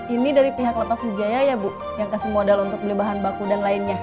ini dari pihak lepas wijaya ya bu yang kasih modal untuk beli bahan baku dan lainnya